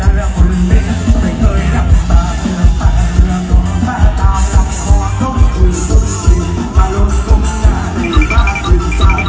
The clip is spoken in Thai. สักครู่ละงอกลูกละดอกน่ะมั้ยเด็กต่อนมาชิลล์ต่อแล้วคุณเป็น